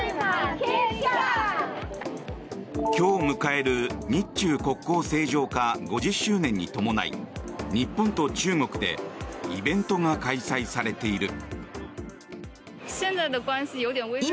今日迎える日中国交正常化５０周年に伴い日本と中国でイベントが開催されている。